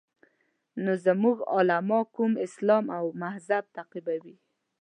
نو زموږ علما کوم اسلام او مذهب تعقیبوي.